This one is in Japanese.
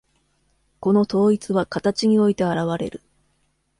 この統一は形において現われる。